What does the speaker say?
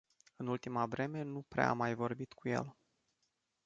În ultima vreme nu prea am mai vorbit cu el.